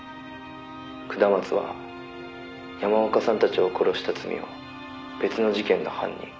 「下松は山岡さんたちを殺した罪を別の事件の犯人